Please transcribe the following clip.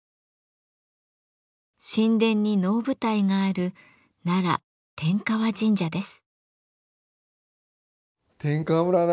神殿に能舞台がある奈良天河神社です。